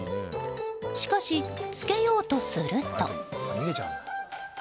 しかし、着けようとすると。